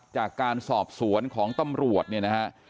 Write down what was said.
จากการสอบสวนของตำรวจเนี่ยนะฮะ